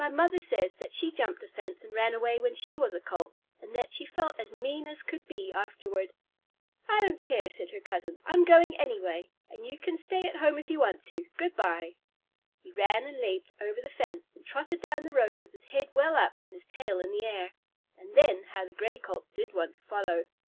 My mother says that she jumped a fence and ran away when she was a Colt, and that she felt as mean as could be afterward." "I don't care," said her cousin, "I'm going anyway, and you can stay at home if you want to. Good bye!" He ran and leaped over the fence, and trotted down the road with his head well up and his tail in the air. And then how the Gray Colt did want to follow!